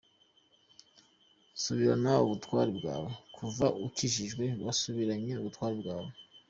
Subirana ubutware bwawe: kuva ukijijwe, wasubiranye ubutware bwawe.